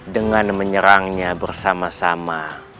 dengan menyerangnya bersama sama